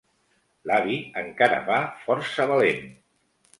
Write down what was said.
L'avi encara va força valent.